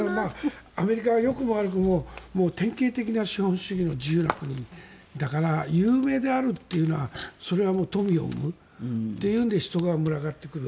アメリカはよくも悪くも典型的な資本主義の自由な国だから有名であるというのはそれは富を生むというので人が群がってくる。